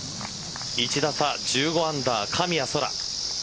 １打差、１５アンダー神谷そら。